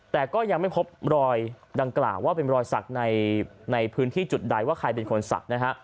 แต่ก็ยังไม่พบรอยดังกล่าวว่าเป็นรอยสักในพื้นที่จุดใดว่าใครเป็นคนศักดิ์นะฮะ